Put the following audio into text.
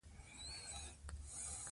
ښه تربیه د ښه راتلونکي تضمین دی.